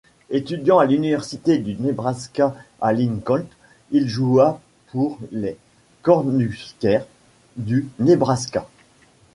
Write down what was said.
Étudiant à l'université du Nebraska à Lincoln, il joua pour les Cornhuskers du Nebraska.